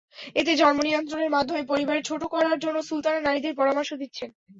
এতে জন্ম নিয়ন্ত্রণের মাধ্যমে পরিবার ছোট করার জন্য সুলতানা নারীদের পরামর্শ দিচ্ছেন।